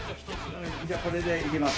じゃあこれでいきます。